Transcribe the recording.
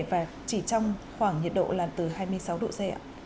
và chỉ trong khoảng nhiệt độ là từ hai mươi sáu độ c ạ